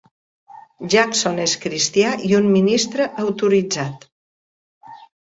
Jackson és cristià i un ministre autoritzat.